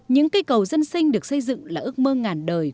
những cây cầu dân sinh được xây dựng là ước mơ ngàn đời